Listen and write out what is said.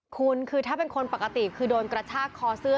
คุณคือถ้าเป็นคนปกติคือโดนกระชากคอเสื้อ